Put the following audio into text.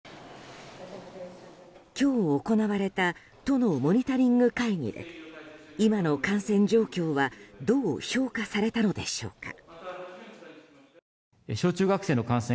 今日行われた都のモニタリング会議で今の感染状況はどう評価されたのでしょうか。